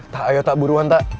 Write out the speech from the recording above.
tak ayo tak buruan tak